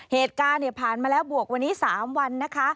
เหตุการณ์ผ่านมาแล้วบวกวันนี้๓วันนะคะ